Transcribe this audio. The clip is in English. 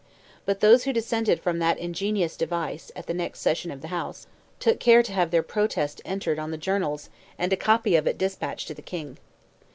But those who dissented from that ingenious device, at the next session of the House, took care to have their protest entered on the journals and a copy of it despatched to the King.